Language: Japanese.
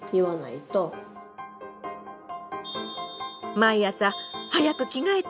毎朝「早く着替えて！」